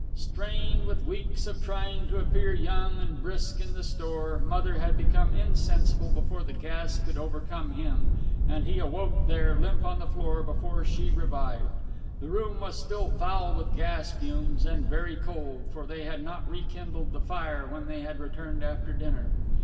Strained with weeks of trying to appear young and brisk in the store, Mother had become insensible before the gas could overcome him, and he awoke there, limp on the floor, before she revived. The room was still foul with gas fumes, and very cold, for they had not rekindled the fire when they had returned after dinner.